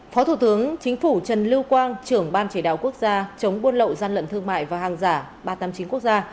phó thủ tướng chính phủ trần lưu quang trưởng ban chỉ đạo quốc gia chống buôn lậu gian lận thương mại và hàng giả ba trăm tám mươi chín quốc gia